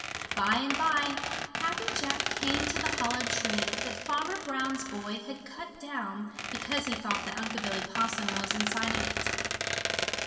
By and by Happy Jack came to the hollow tree that Farmer Brown's boy had cut down because he thought that Unc' Billy Possum was inside of it.